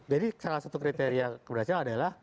jadi salah satu kriteria keberhasilan adalah